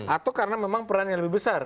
atau karena memang peran yang lebih besar